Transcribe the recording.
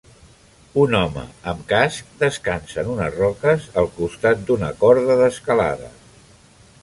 Un home amb casc descansa en unes roques al costat d'una corda d'escalada.